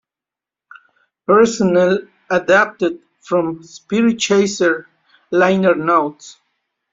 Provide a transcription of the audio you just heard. Personnel adapted from "Spiritchaser" liner notes.